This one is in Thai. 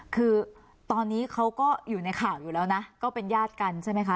คือตอนนี้เขาก็อยู่ในข่าวอยู่แล้วนะก็เป็นญาติกันใช่ไหมคะ